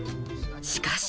しかし。